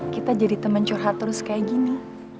kita jadi teman curhat terus kayak gini